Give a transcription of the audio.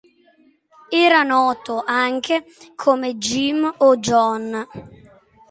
Era noto anche come "Jim" o "John".